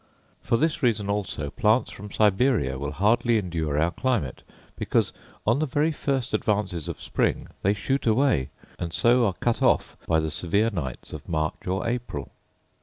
For this reason also plants from Siberia will hardly endure our climate: because, on the very first advances of spring, they shoot away, and so are cut off by the severe nights of March or April.